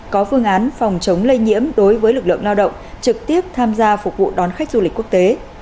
có phương án phòng chống lây nhiễm đối với lực lượng lao động trực tiếp tham gia phục vụ đón khách du lịch quốc tế